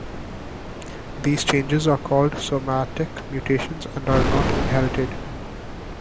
These changes are called somatic mutations and are not inherited.